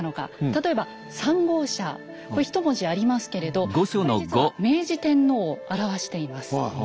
例えば３号車これひと文字ありますけれどこれ実は明治天皇を表しています。